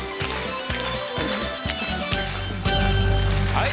はい。